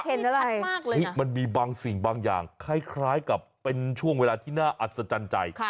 มันมีบางสิ่งบางอย่างคล้ายกับเป็นช่วงเวลาที่น่าอัศจรรย์ใจ